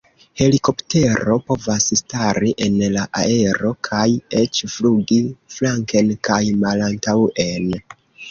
Helikoptero povas stari en la aero kaj eĉ flugi flanken kaj malantaŭen.